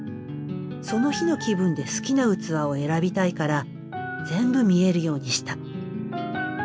その日の気分で好きな器を選びたいから全部見えるようにした。